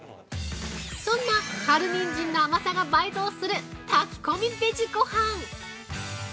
そんな春ニンジンの甘さが倍増する炊き込みベジごはん。